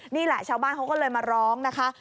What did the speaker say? นี่แหละชาวบ้านเขาก็เลยมาร้องนะคะ